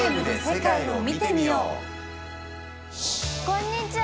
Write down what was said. こんにちは。